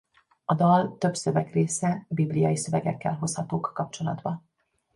A dal több szövegrésze bibliai szövegekkel hozhatók kapcsolatba.